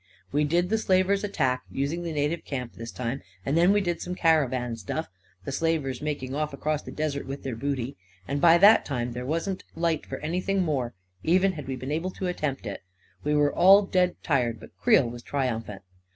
We did the slavers' attack — using the na tive camp, this time ; and then we did some caravan stuff — the slavers making off across the desert with their booty — and by that time there wasn't light for anything more, even had we been able to attempt it We were all dead tired, but Creel was triumphant.